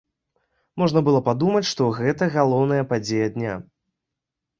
Можна было падумаць, што гэта галоўная падзея дня.